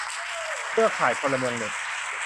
เครือข่ายพลเมืองเน็ต